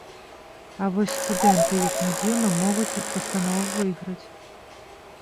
А вось студэнты, як ні дзіўна, могуць ад пастановы выйграць!